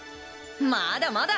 まだまだ。